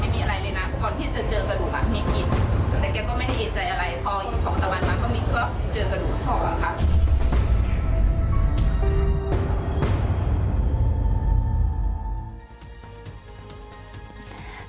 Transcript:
พออีกสองสัปดาห์มาก็มีก็เจอกระดูกพอค่ะ